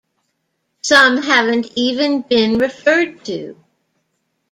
Some haven't even been referred to.